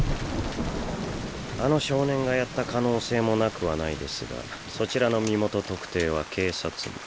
あの少年がやった可能性もなくはないですがそちらの身元特定は警察の。